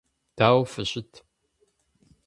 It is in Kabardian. Дауэ фыщыт?